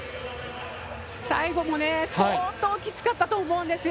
最後も、相当きつかったと思うんですよ。